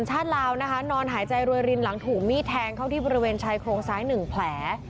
ใส่ใจรวยรินหลังถูกมีดแทงเข้าที่บริเวณชายโครงสายหนึ่งแผล